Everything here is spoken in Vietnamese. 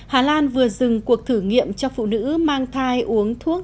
hà lan vừa dừng cuộc thử nghiệm cho phụ nữ mang thai uống thuốc